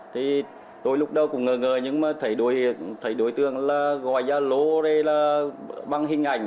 tôi lúc đầu cũng ngờ ngờ nhưng mà thấy đối tượng là gọi ra lô đây là bằng hình ảnh